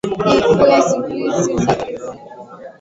gine siku hizi za karibuni watafika mpaka mozambiki